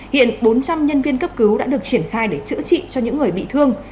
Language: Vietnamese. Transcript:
hiện bốn trăm linh nhân viên cấp cứu đã được triển khai để chữa trị cho những người bị thương